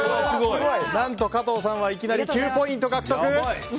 何と、加藤さんはいきなり９ポイント獲得！